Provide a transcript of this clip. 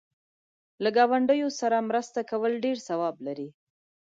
له گاونډیو سره مرسته کول ډېر ثواب لري.